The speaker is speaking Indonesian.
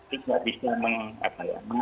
dan juga tidak bisa mengatakan peran daerah